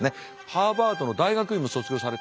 ハーバードの大学院も卒業され。